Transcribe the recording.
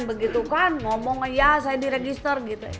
begitu kan ngomong ya saya diregister gitu